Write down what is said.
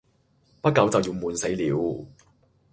不久都要悶死了，